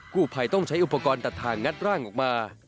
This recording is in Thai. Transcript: ผู้ภัยต้องใช้อุปกรณ์ตัดทางงัดร่างออกมา